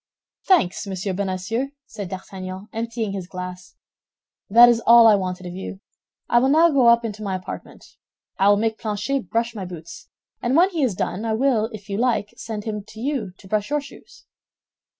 "Thanks, Monsieur Bonacieux," said D'Artagnan, emptying his glass, "that is all I wanted of you. I will now go up into my apartment. I will make Planchet brush my boots; and when he has done, I will, if you like, send him to you to brush your shoes."